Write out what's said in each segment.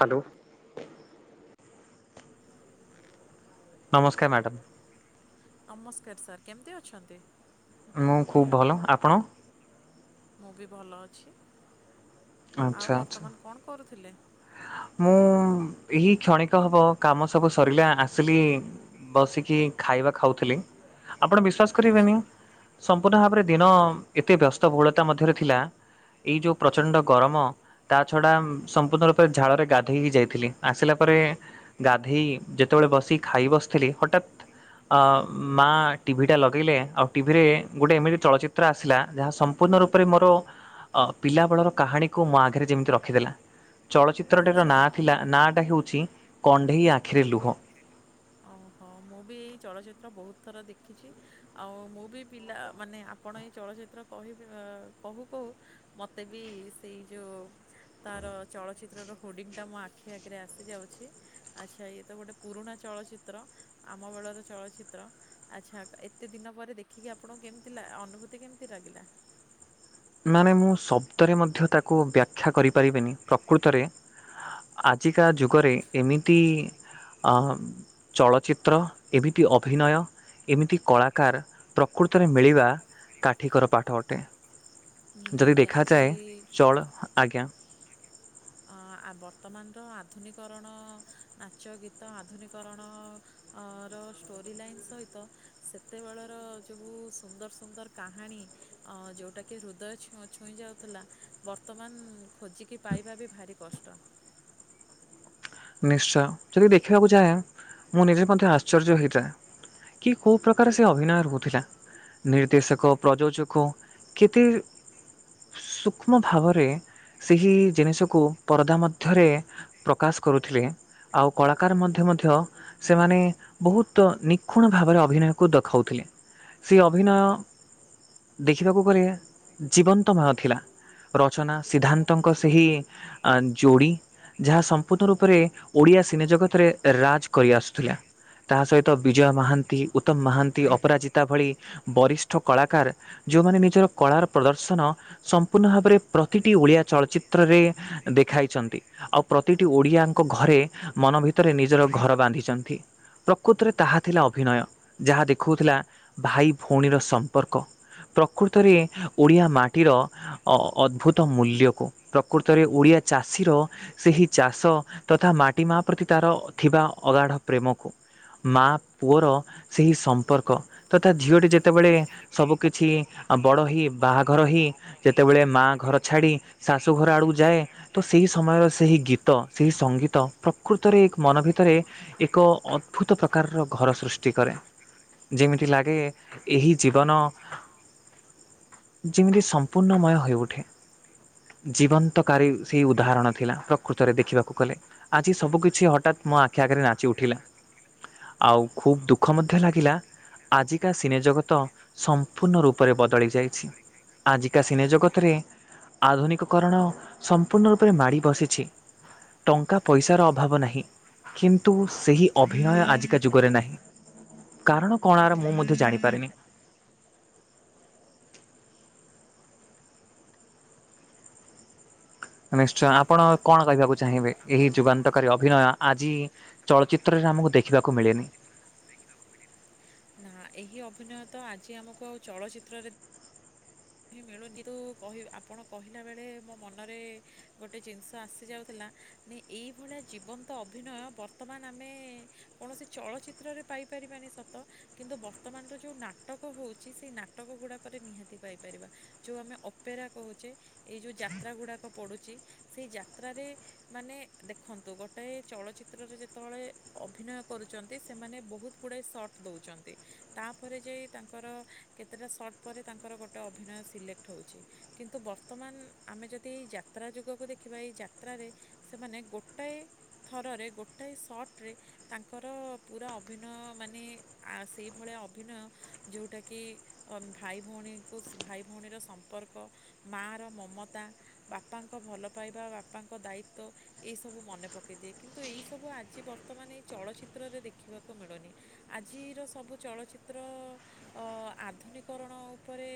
Hello ନମସ୍କାର madam ନମସ୍କାର sir କେମିତି ଅଛନ୍ତି ମୁ ଖୁବ୍ ଭଲ ଆପଣ ମୁଁ ଭଲ ଅଛି ଆଚ୍ଛା ଆଉ ଆଚ୍ଛା। ବର୍ତ୍ତମାନ କଣ କରୁଥିଲେ ମୁଁ ଏ କ୍ଷଣିକ ହବ କାମ ସବୁ ସରିଲା ଆସିଲି ବସିକି ଖାଇବା ଖାଉଥିଲି ଆପଣ ବିଶ୍ୱାସ ଆଚ୍ଛା। କରିବେନି ସମ୍ପୂର୍ଣ୍ଣ ଭାବରେ ଦିନ ଏତେ ବ୍ୟସ୍ତବହୁଳତା ମଧ୍ୟରେ ଥିଲା ଏଇ ଯେଉଁ ପ୍ରଚଣ୍ଡ ଗରମ ତା ଛଡ଼ା ସମ୍ପୂର୍ଣ୍ଣ ରୂପେ ଝାଳରେ ଗାଧୋଇକି ଯାଇଥିଲି ଆସିଲା ପରେ ଗାଧୋଇ ଯେତେବେଳେ ବସି ଖାଇ ବସିଥିଲି ହଠାତ୍ ଅ ମା ଟିଭିଟା ଲଗେଇଲେ ଆଉ ଟିଭିରେ ଗୋଟେ ଏମିତି ଚଳଚିତ୍ର ଆସିଲା ଯାହା ସମ୍ପୂର୍ଣ୍ଣ ରୂପରେ ମୋର ପିଲାବେଳର କାହାଣୀକୁ ମୋ ଆଗରେ ଯେମିତି ରଖିଦେଲା ଚଳଚ୍ଚିତ୍ରଟିର ଆଚ୍ଛା। ନାଁ ଥିଲା ନାଁଟା ହେଉଛି କଣ୍ଢେଇ ଆଖିରେ ଲୁହ ଓହୋ ମୁଁ ବି ଏଇ ଚଳଚିତ୍ର ବହୁତ ଥର ଦେଖିଛି ଆଉ ମୁଁ ବିପିଲା ମାନେ ଆପଣ ଏଇ ଚଳଚ୍ଚିତ୍ର କିବେ କହୁ କହୁ ମୋତେ ବି ସେଇ ଯେଉଁ ତାର ଚଳଚ୍ଚିତ୍ରର ହୋର୍ଡ଼ିଙ୍ଗଟା ମୋ ଆଖି ଆଗରେ ଆସିଯାଉଛି। ଆଚ୍ଛା ଇଏ ତ ଗୋଟେ ପୁରୁଣା ଚଳଚିତ୍ର ଆମ ବେଳର ଚଳଚିତ୍ର। ଆଚ୍ଛା ଏତେ ଦିନ ପରେ ଦେଖିକି ଆପଣଙ୍କୁ କେମିତି ଲା ଅନୁଭୂତି କେମିତି ଲାଗିଲା? ମାନେ ମୁଁ ଶବ୍ଦରେ ମଧ୍ୟ ତାକୁ ବ୍ୟାଖ୍ୟା କରିପାରିବିନି ପ୍ରକୃତରେ। ଆଜିକା ଯୁଗରେ ଏମିତି ଆ ଚଳଚିତ୍ର ଏମିତି ଅଭିନୟ ଏମିତି କଳାକାର ପ୍ରକୃତରେ ମିଳିବା କାଠିକର ପାଠ ଅଟେ। ଯଦି ନିହାତି ଦେଖାଯାଏ ଆଜି ଚଳ ଆଜ୍ଞା। ଆଁ-ଆ-ବର୍ତ୍ତମାନର ଆଧୁନିକରଣ ନାଚ ଗୀତ ଆଧୁନିକରଣ ଅଁ ର ଷ୍ଟୋରି ଲାଇନ୍ ସହିତ ସେତେବେଳର ଯୋଉ ସୁନ୍ଦର ସୁନ୍ଦର କାହାଣୀ ଅ ଯୋଉଟା କିି ହୃଦୟ ଛୁ-ଛୁଇଁ ଯାଉଥିଲା ବର୍ତ୍ତମାନ ଖୋଜିକି ପାଇବା ବି ଭାରି କଷ୍ଟ। ନିଶ୍ଚୟ ଯଦି ଦେଖିବାକୁ ଯାଏ ମୁଁ ନିଜେ ମଧ୍ୟ ଆଶ୍ଚର୍ଯ୍ୟ ହେଇଯାଏ। କି କୋଉ ପ୍ରକାର ସେ ଅଭିନୟ ରହୁଥିଲା। ନିର୍ଦ୍ଦେଶକ ପ୍ରଯୋଜୋକ କେତେ ସୂକ୍ଷ୍ମ ଭାବରେ ସେହି ଜିନିଷକୁ ପରଦା ମଧ୍ୟରେ ପ୍ରକାଶ କରୁଥିଲେ। ଆଉ କଳାକାର ମଧ୍ୟ ମଧ୍ୟ ସେମାନେ ବହୁତ୍ ନିଖୁଣ ଭାବରେ ଅଭିନୟକୁ ଦଖଉଥିଲେ। ସେ ଅଭିନୟ ଦେଖିବାକୁ ଗଲେ ଜୀବନ୍ତମୟ ଥିଲା। ରଚନା ସିଦ୍ଧାନ୍ତଙ୍କ ସେହି ଆ ଯୋଡ଼ି ଯାହା ସମ ବହୁତ ରୂପରେ ଓଡିଆ ସିନେ ଜଗତରେ ରାଜ କରିଆସୁଥିଲା। ତା ସହିତ ବିଜୟ ମହାନ୍ତି, ଉତ୍ତମ ମାହାନ୍ତି, ଅପରାଜିତା ଭଳି ବରିଷ୍ଠ କଳାକାର ଯୋଉମାନେ ନିଜର କଳାର ପ୍ରଦର୍ଶନ ସମ୍ପୂର୍ଣ୍ଣ ଭାବରେ ପ୍ରତିଟି ଓଡିଆ ଚଳଚିତ୍ରରେ ଦେଖାଇଛନ୍ତି ଆଉ ପ୍ର ପ୍ରତିଟି ଓଡିଆଙ୍କ ଘରେ ମନ ଭିତରେ ନିଜର ଘର ବାନ୍ଧିଛନ୍ତି। ପ୍ରକୃତରେ ତାହା ଥିଲା ଅଭିନୟ ଯାହା ଦେଖଉଥିଲା ଭାଇ ଭଉଣୀର ସମ୍ପର୍କ ପ୍ରକୃତରେ ଓଡ଼ିଆ ମାଟିର ଅ ଅଦ୍ଭୁତ ମୂଲ୍ୟକୁ ପ୍ରକୃତରେ ଓଡିଆ ଚାଷୀର ସେହି ଚାଷ ତଥା ମାଟି ମା ପ୍ରତି ତାର ଥିବା ଅଗାଢ ପ୍ରେମକୁ। ମା ପୁଅର ସେହି ସମ୍ପର୍କ ତଥା ଝିଅଟି ଯେତେବେଳେ ସବୁ କିଛି ଆ ବଡ ହେଇ ବାହାଘର ହେଇ ଯେତେବେଳେ ମା ଘର ଛାଡି ଶାଶୁ ଘର ଆଡୁକୁ ଯାଏ ତ ସେହି ସମୟ ସେହି ଗୀତ ସେହି ସଙ୍ଗୀତ ପ୍ରକୃତରେ ମନ ଭିତରେ ଏକ ଅଦ୍ଭୁତ ପ୍ରକାରର ଘର ସୃଷ୍ଟି କରେ। ଯେମିତି ଲାଗେ ଏହି ଜୀବନ ଯେମିତି ସମ୍ପୂର୍ଣ୍ଣମୟ ହୋଇଉଠେ। ଜୀବନ୍ତକାରୀ ସେଇ ଉଦାହରଣ ଥିଲା ପ୍ର ପ୍ରକୃତରେ ଦେଖିବାକୁ ଗଲେ ଆଜି ସବୁ କିଛି ହଠାତ୍ ମୋ ଆଖି ଆଗେରେ ନାଚି ଉଠିଲା। ଆଉ ଖୁବ୍ ଦୁଃଖ ମଧ୍ୟ ଲାଗିଲା। ଆଜିକା ସିନେଜଗତ ସମ୍ପୂର୍ଣ୍ଣ ରୂପରେ ବଦଳି ଯାଇଛି। ଆଜିକା ସିନେଜଗତରେ ଆଧୁନିକ କରଣ ସମ୍ପୂର୍ଣ୍ଣ ରୂପରେ ମାଡ଼ି ବସିଛି। ଟଙ୍କା ପଇସାର ଅଭାବ ନାହିଁ। କିନ୍ତୁ ସେହି ଅଭିନୟ ଆଜିକା ଯୁଗରେ ନାହିଁ। କାରଣ କଣ ଆର ମୁଁ ମଧ୍ୟ ଜାଣିପାରେନି। ନିଶ୍ଚୟ ଆପଣ କଣ କହିବାକୁ ଚାହିଁବେ ଏହି ଯୁବାନ୍ତକାରୀ ଅଭିନୟ ଆଜି ଚଳଚିତ୍ରରେ ଆମକୁ ଦେଖିବାକୁ ମିଳେନି। ନା ଏହି ଅଭିନୟ ତ ଆଜି ଆମକୁ ଆଉ ଚଳଚ୍ଚିତ୍ରରେ ହିଁ ମିଳୁନି କିନ୍ତୁ ଆପଣ କହିଲା ବେଳେ ମୋ ମନରେ ଗୋଟେ ଜିନିଷ ଆସିଯାଉଥିଲା। ନି ଏଇଭଳିଆ ଜୀବନ୍ତ ଅଭିନୟ ବର୍ତ୍ତମାନ ଆମେ କୌଣସି ଚଳଚିତ୍ରରେ ପାଇପାରିବାନି ସ ତ କିନ୍ତୁ ବର୍ତ୍ତମାନର ଯୋଉ ନାଟକ ହଉଛି ସେଇ ନାଟକ ଗୁଡାକରେ ନିହାତି ପାଇ ପାରିବା ଯେଉଁ ଆମେ ଅପେରା କହୁଛେ ଏଇ ଯୋଉ ଯାତ୍ରା ଗୁଡ଼ାକ ପଡ଼ୁଛି ସେଇ ଯାତ୍ରାରେ ମାନେ ଦେଖନ୍ତୁ ଗୋଟାଏ ଚଳଚିତ୍ରରେ ଯେତବେଳେ ଅଭିନୟ କରୁଛନ୍ତି ସେମାନେ ବହୁତ କୁଡ଼ାଏ ସର୍ଟ ଦେଉଛନ୍ତି ତାପରେ ଯାଇ ତାଙ୍କର କେତେଟା ସର୍ଟ୍ ପରେ ତାଙ୍କର ଗୋଟେ ଗୋଟେ ଅଭିନୟ ସିଲେକ୍ଟ ହେଉଛି। କିନ୍ତୁ ବର୍ତ୍ତମାନ ଆମେ ଯଦି ଏଇ ଯାତ୍ରା ଯୁଗକୁ ଦେଖିବା ଏଇ ଯାତ୍ରାରେ ସେମାନେ ଗୋଟାଏ ଥରରେ ଗୋଟାଏ ସଟରେ ତାଙ୍କର ପୁରା ଅଭିନୟ ମାନେ ସେଇଭଳିଆ ଅଭିନୟ ଯେଉଁଟାକି ଆ ଭାଇ ଭଉଣୀ କ ଭାଇ ଭଉଣୀର ସମ୍ପର୍କ ମାର ମମତା ବାପାଙ୍କ ଭଲ ପାଇବା ବାପା ବାପାଙ୍କ ଦାୟିତ୍ଵ। ଏଇ ସବୁ ମନେ ପକେଇ ଦିଏ କିନ୍ତୁ ଏଇ ସବୁ ଆଜି ବର୍ତ୍ତମାନ ଏଇ ଚଳଚିତ୍ରରେ ଦେଖିବାକୁ ମିଳୁନି ଆଜିର ସବୁ ଚଳଚିତ୍ର ଅ ଆଧୁନିକରଣ ଉପ ତା ପରେ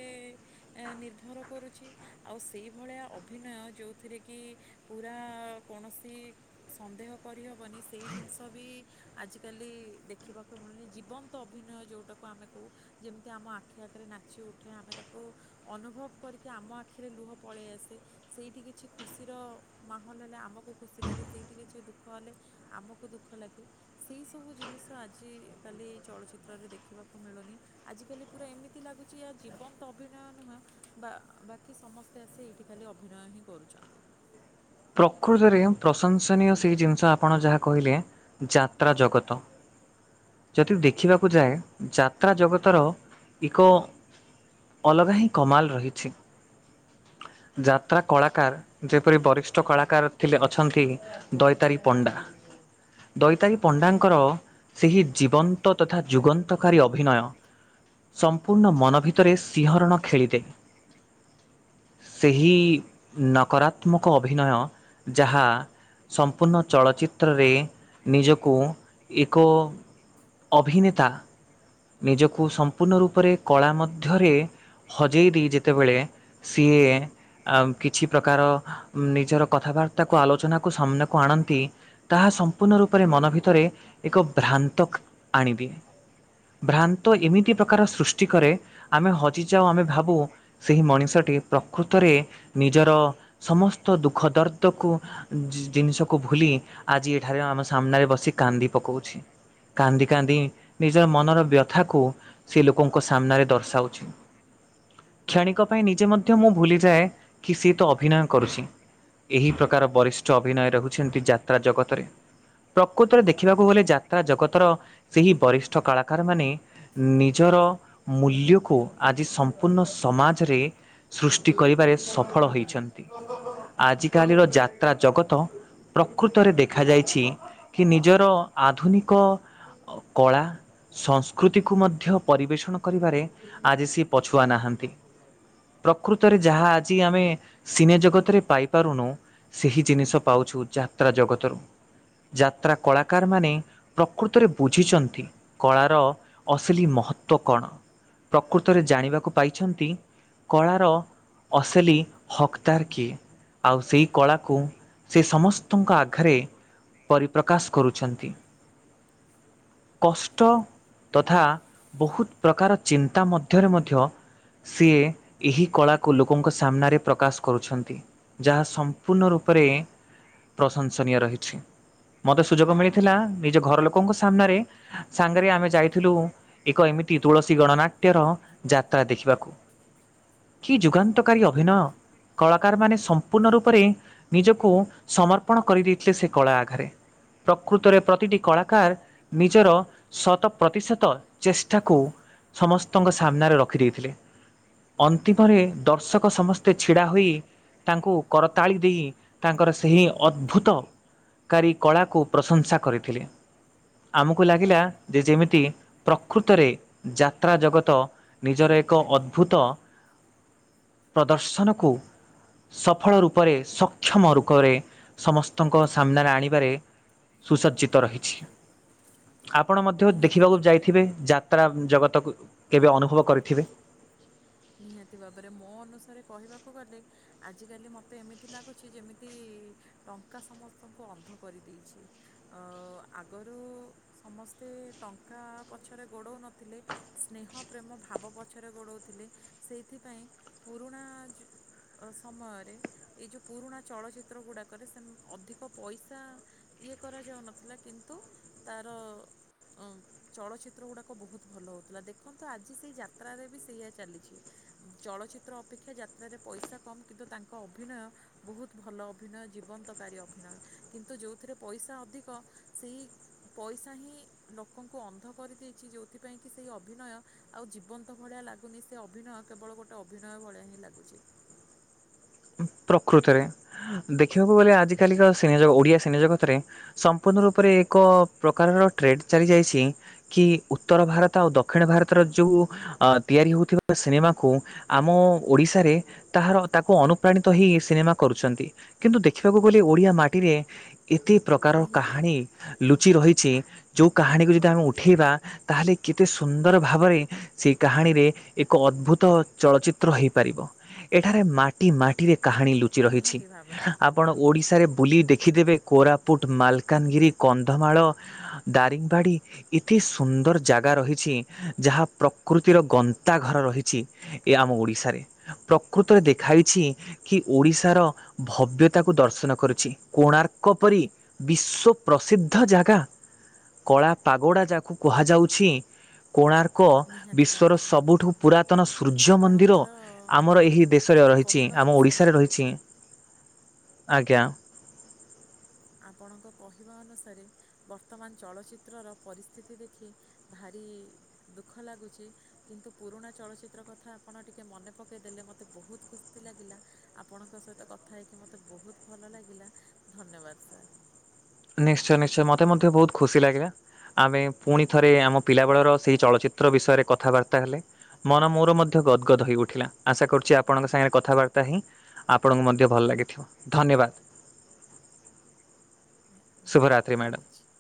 ଏ ନିର୍ଭର କରୁଛି ଆଉ ସେଇଭଳିଆ ଅଭିନୟ ଯୋଉଥିରେ କି ପୁରା କୌଣସି ସନ୍ଦେହ କରିହେବନି ସେଇ ଜିନିଷ ବି ଆଜିକାଲି ଦେଖିବାକୁ ମିଳୁନି ଜୀବନ ଅଭିନୟ ଯଉଟାକୁ ଆମେ କହୁ ଯେମିତି ଆମ ଆଖି ଆଖରେ ନାଚି ଉଠ ଏଠି ଆମେ ତାକୁ ଅନୁଭବ କରିକି ଆମ ଆଖିରେ ଲୁହ ପଳେଇ ଆସେ। ସେଇଠି କିଛି ଖୁସିର ମାହୋଲ ହେଲେ ଆମକୁ ଖୁସି ଲାଗେ ସେଇଠି କିଛି ଦୁଃଖ ହେଲେ ଆମକୁ ଦୁଃଖ ଲାଗେ। ସେଇ ସବୁ ଜିନିଷ ଆଜିକାଲି ଚଳଚିତ୍ରରେ ଦେଖିବାକୁ ମିଳୁନି। ଆଜିକାଲି ପୁରା ଏମିତି ଲାଗୁଛି ଆ ଜୀବନ୍ତ ଅଭିନୟ ନୁହେଁ ବା ବାକି ସମସ୍ତେ ଆସି ଏଇଠି ଖାଲି ଅଭିନୟ ହିଁ କରୁଛନ୍ତି। ପ୍ରକୃତରେ ପ୍ରଶଂସନୀୟ ସେଇ ଜିନିଷ ଆପଣ ଯାହା କହିଲେ। ଯାତ୍ରା ଜଗତ। ଯଦି ଦେଖିବାକୁ ଯାଏ ଯାତ୍ରା ଜଗତର ଏକ ଅଲଗା ହିଁ କମାଲ ରହିଛି। ଯାତ୍ରା କଳାକାର ଯେପରି ବରିଷ୍ଠ ଷ୍ଟ କଳାକାର ଥିଲେ ଅଛନ୍ତି ଦୈତାରୀ ପଣ୍ଡା। ଦୈତାରୀ ପଣ୍ଡାଙ୍କର ସେହି ଜୀବନ୍ତ ତଥା ଯୁଗନ୍ତକାରୀ ଅଭିନୟ। ସମ୍ପୂର୍ଣ୍ଣ ମନ ଭିତରେ ସିଂହରଣ ଖେଳିଦେ। ସେହି ନକରାତ୍ମକ ଅଭିନୟ ଯାହା ସମ୍ପୂର୍ଣ୍ଣ ଚଳଚ୍ଚିତ୍ରରେ ନିଜକୁ ଏକ ଅଭିନେତା ନିଜକୁ ସମ୍ପୂର୍ଣ୍ଣ ରୂପରେ କଳା ମଧ୍ୟରେ ହଜେଇ ଦେଇ ଯେତେବେଳେ ସିଏ କିଛି ପ୍ରକାର ନିଜର କଥାବାର୍ତ୍ତାକୁ ଆଲୋଚନାକୁ ସାମ୍ନାକୁ ଆଣନ୍ତି। ତାହା ସମ୍ପୂର୍ଣ୍ଣ ରୂପରେ ମନ ଭିତରେ ଏକ ଭ୍ରାନ୍ତ ଆଣିଦିଏ। ଭ୍ରାନ୍ତ ଏମିତି ପ୍ରକାର ସୃଷ୍ଟି କରେ ଆମେ ହଜିଯାଉ ଆମେ ଭାବୁ ସେହି ମଣିଷଟି ପ୍ରକୃତରେ ନିଜର ସମସ୍ତ ଦୁଃଖ ଦର୍ଦକୁ ଜିନିଷକୁ ଭୁଲି ଆଜି ଏଠାରେ ଆମ ସାମ୍ନାରେ ବସି କାନ୍ଦି ପକଉଛି। କାନ୍ଦି କାନ୍ଦି ନିଜର ମନର ବ୍ୟଥାକୁ ସେ ଲୋକଙ୍କ ସାମ୍ନାରେ ଦର୍ଶାଉଛି। କ୍ଷଣିକ ପାଇଁ ନିଜେ ମଧ୍ୟ ମୁଁ ଭୁଲିଯାଏ, କି ସିଏ ତ ଅଭିନୟ କରୁଚି। ଏହି ପ୍ରକାର ବରିଷ୍ଠ ଅଭିନୟ ରହୁଛନ୍ତି ଯାତ୍ରା ଜଗତରେ। ପ୍ରକୃତରେ ଦେଖିବାକୁ ଗଲେ ଯାତ୍ରା ଜଗତର, ସେହି ବରିଷ୍ଠ କଳାକାର ମାନେ ନିଜର ମୂଲ୍ୟକୁ, ଆଜି ସମ୍ପୂର୍ଣ୍ଣ ସମାଜରେ ସୃଷ୍ଟି କରିବାରେ ସଫଳ ହେଇଚନ୍ତି, ଆଜିକାଲିର ଯାତ୍ରା ଜଗତ ପ୍ରକୃତରେ ଦେଖାଯାଇଛି, କି ନିଜର ଆଧୁନିକ ଅ କଳା ସଂସ୍କୃତିକୁ ମଧ୍ୟ ପରିବେଷଣ କରିବାରେ, ଆଜି ସିଏ ପଛୁଆ ନାହାନ୍ତି। ପ୍ରକୃତରେ ଯାହା ଆଜି ଆମେ, ସିନେ ଜଗତରେ ପାଇ ପାରୁନୁ, ସେହି ଜିନିଷ ପାଉଛୁ ଯାତ୍ରା ଜଗତରୁ। ଯାତ୍ରା କଳାକାରମାନେ ପ୍ରକୃତରେ ବୁଝିଛନ୍ତି କଳାର ଅସଲି ମହତ୍ଵ କଣ? ପ୍ରକୃତରେ ଜାଣିବାକୁ ପାଇଛନ୍ତି କଳାର ଅସଲି ହକ୍ଦାର୍ କିଏ? ଆଉ ସେଇ କଳାକୁ, ସେ ସମସ୍ତଙ୍କ ଆଗରେ ପରିପ୍ରକାଶ କରୁଛନ୍ତି କଷ୍ଟ ତଥା, ବହୁତ ପ୍ରକାର ଚିନ୍ତା ମଧ୍ୟରେ ମଧ୍ୟ ସିଏ, ଏହି କଳାକୁ ଲୋକଙ୍କ ସାମ୍ନାରେ ପ୍ରକାଶ କରୁଛନ୍ତି। ଯାହା ସମ୍ପୂର୍ଣ୍ଣ ରୂପରେ ପ୍ରଶଂସନୀୟ ରହିଛି। ମତେ ସୁଯୋଗ ମିଳିଥିଲା, ନିଜ ଘର ଲୋକଙ୍କ ସାମ୍ନାରେ, ସାଙ୍ଗରେ ଆମେ ଯାଇଥିଲୁ ଏକ ଏମିତି ତୁଳସୀ ଗଣନାଟ୍ୟର ଯାତ୍ରା ଦେଖିବାକୁ। କି ଯୁଗାନ୍ତକାରୀ ଅଭିନୟ, କଳାକାର ମାନେ ସ ସମ୍ପୂର୍ଣ ରୂପରେ ନିଜକୁ ସମର୍ପଣ କରିଦେଇଥିଲେ ସେ କଳା ଆଘରେ। ପ୍ରକୃତରେ ପ୍ରତିଟି କଳାକାର ନିଜର ଶତ ପ୍ରତିଶତ ଚେଷ୍ଟାକୁ ସମସ୍ତଙ୍କ ସାମ୍ନାରେ ରଖିଦେଇଥିଲେ। ଅନ୍ତିମରେ ଦର୍ଶକ ସମସ୍ତେ ଛିଡ଼ା ହୋଇ ତାଙ୍କୁ କରତାଳି ଦେଇ, ତାଙ୍କର ସେହି ଅଦ୍ଭୁତ କାରୀ କଳାକୁ, ପ୍ରଶଂସା କରିଥିଲେ। ଆମକୁ ଲାଗିଲା ଯେ ଯେମିତି ପ୍ରକୃତରେ ଯାତ୍ରା ଜଗତ ନିଜର ଏକ ଅଦ୍ଭୁତ ପ୍ରଦର୍ଶନକୁ ସଫଳ ରୂପରେ, ସକ୍ଷମ ରୂପରେ, ସମସ୍ତଙ୍କ ସାମ୍ନାରେ ଆଣିବାରେ ସୁସଜ୍ଜିତ ରହିଛି। ଆପଣ ମଧ୍ୟ ନିହାତି ଦେଖିବାକୁ ଭାବରେ। ଯାଇଥିବେ, ଯାତ୍ରା ଜଗତକୁ କେବେ ଅନୁଭବ କରିଥିବେ। ନିହାତି ଭାବରେ, ମୋ ଅନୁସାରେ କହିବାକୁ ଗଲେ ଆଜିକାଲି ମୋତେ ଏମିତି ଲାଗୁଚି, ଯେମିତି ଟଙ୍କା ସମସ୍ତଙ୍କୁ ଅନ୍ଧ କରିଦେଇଚି। ଆଗରୁ ସମସ୍ତେ ଟଙ୍କା ପଛରେ ଗୋଡ଼ଉ ନଥିଲେ ସ୍ନେହ ପ୍ରେମ ଭାବ ପଛରେ ଗୋଡ଼ଉଥିଲେ, ସେଇଥିପାଇଁ ପୁରୁଣା ଯୁ ସମୟରେ, ଏ ଯେଉଁ ପୁରୁଣା ଚଳଚ୍ଚିତ୍ର ଗୁଡ଼ାକରେ, ସେ ଅଧିକ ପଇସା ଇଏ କରାଯାଉନଥିଲା, କିନ୍ତୁ ତାର ଚଳଚ୍ଚିତ୍ର ଗୁଡ଼ାକ ବହୁତ ଭଲ ହଉଥିଲା, ଦେଖନ୍ତୁ ଆଜି ସେଇ ଯାତ୍ରାରେ ବି ସେଇଆ ଚାଲିଚି। [unintelligible] ଚଳଚ୍ଚିତ୍ର ଅପେକ୍ଷା ଯାତ୍ରାରେ ପଇସା କମ୍ କିନ୍ତୁ ତାଙ୍କ ଅଭିନୟ, ବହୁତ ଭଲ ଅଭିନୟ ଜୀବନ୍ତ ରକାରୀ ଅଭିନୟ, କିନ୍ତୁ ଯେଉଁଥିରେ ପଇସା ଅଧିକ ସେହି ପଇସା ହିଁ ଲୋକଙ୍କୁ ଅନ୍ଧ କରିଦେଇଚି, ଯୋଉଥିପାଇଁ କି, ସେହି ଅଭିନୟ ଆଉ ଜୀବନ୍ତ ଭଳିଆ ଲାଗୁନି ସେ ଅଭିନୟ କେବଳ ଗୋଟେ ଅଭିନୟ ଭଳିଆ ହିଁ ଲାଗୁଛି। ପ୍ରକୃତରେ ଦେଖିବାକୁ ଗଲେ ଆଜି କାଲିକା ସିନିଯଗ ଓଡିଆ ସିନେଜଗତରେ ସମ୍ପୂର୍ଣ୍ଣ ରୂପରେ ଏକ ପ୍ରକାରର ଟ୍ରେଡ ଚାଲି ଯାଇଛି। କି ଉତ୍ତର ଭାରତ, ଆଉ ଦକ୍ଷିଣ ଭାରତର ଯୋଉ। ଅ ତିଆରି ହଉଥିବା ସିନେମାକୁ ଆମ ଓଡିଶାରେ ତାହାର ତାକୁ ଅନ ଅନୁପ୍ରାଣିତ ହେଇ ସିନେମା କରୁଛନ୍ତି କିନ୍ତୁ ଦେଖିବାକୁ ଗଲେ ଓଡ଼ିଆ ମାଟିରେ ଏତେ ପ୍ରକାର ନିହାତି କାହାଣୀ, ଲୁଚି ରହିଛି ଯୋଉ କାହାଣୀକୁ ଯଦି ଆମେ ଉଠେଇବା ତାହେଲେ କେତେ ସୁନ୍ଦର ଭାବରେ ସେଇ କାହାଣୀରେ ଏକ ଅଦ୍ଭୁତ ଚଳଚିତ୍ର ହେଇପାରିବ, ଏଠାରେ ମାଟି ମାଟି ମାଟିରେ କାହାଣୀ ଲୁଚି ରହିଛି। ନିହାତି ଭାବରେ ଆପଣ ଓଡ଼ିଶାରେ ବୁଲି ଦେଖିଦେବେ କୋରାପୁଟ, ମାଲକାନଗିରି, କନ୍ଧମାଳ ଦାରିଙ୍ଗବାଡ଼ି ଏତେ ସୁନ୍ଦର ଜାଗା ରହିଛି ଯାହା ପ୍ରକୃତିର ଗନ୍ତା ଘର ରହିଛି। ଏହା ଆମ ଓଡିଶାରେ ପ୍ରକୃତରେ ଦେଖାଇଛି କି ଓଡିଶାର ଭବ୍ୟତାକୁ ଦର୍ଶନ କରୁଛି, କୋଣାର୍କ ପରି ବିଶ୍ଵ ପ୍ରସିଦ୍ଧ ଜାଗା କଳା ପାଗୋଡ଼ା ଯାହାକୁ କୁହାଯାଉଛି। କୋଣାର୍କ ନିହାତି ବିଶ୍ଵର ଭାବରେ ସବୁଠୁ ପୁରାତନ ସୂର୍ଯ୍ୟ ମନ୍ଦିର ଆପଣଙ୍କର ଆମର ଏହି ଦେଶରେ ରହିଛି, କହିବା ଆମ ଅନୁସାରେ ଓଡ଼ିଶାରେ ରହିଛି, ଆଜ୍ଞା। ଆପଣଙ୍କ କହିବା ଅନୁସାରେ ବର୍ତ୍ତମାନ ଚଳଚ୍ଚିତ୍ରର ପରିସ୍ଥିତି ଦେଖି ଭାରି ଦୁଃଖ ଲାଗୁଛି। କିନ୍ତୁ ପୁରୁଣା ଚଳଚ୍ଚିତ୍ର କଥା ଆପଣ ଟିକେ ମନେ ପକାଇ ଦେେଲେ ମୋତେ ବହୁତ ଖୁସି ଲାଗିଲା। ଆପଣଙ୍କ ସହିତ କଥା ହେଇକି ମୋତେ ବହୁତ ଭଲ ଲାଗିଲା ଧନ୍ୟବାଦ ସାର୍। ନିଶ୍ଚୟ ନିଶ୍ଚୟ ମତେ ମଧ୍ୟ ବହୁତ ଖୁସି ଲାଗିଲା। ଆମେ ପୁଣି ଥରେ ଆମ ପିଲାବେଳର ସେହି ଚଳଚ୍ଚିତ୍ର ବିଷୟରେ କଥାବାର୍ତ୍ତା ହେଲେ। ମନ ମୋର ମଧ୍ୟ ଗଦଗଦ ହୋଇଇଉଠିଲା ଆଶା କରୁଛି ଯେ ଆପଣଙ୍କ ନିହାତି ସାଙ୍ଗରେ କଥାବାର୍ତ୍ତା ହିଁ ଆପଣଙ୍କୁ ମଧ୍ୟ ଭଲ ଲାଗିଥିବ ଧନ୍ୟବାଦ। ଶୁଭରାତ୍ରି ଧନ୍ୟବାଦ ମ୍ୟାଡ଼ାମ। ରଖୁଛି।